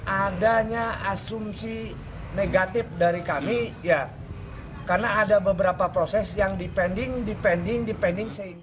adanya asumsi negatif dari kami ya karena ada beberapa proses yang dipending dipending dipending